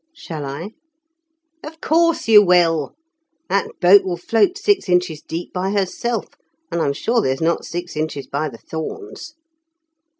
"Shall I?" "Of course you will. That boat will float six inches deep by herself, and I'm sure there's not six inches by the Thorns."